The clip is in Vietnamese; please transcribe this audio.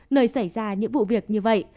nơi xảy ra những vụ việc như vậy